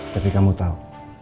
tapi kamu tahu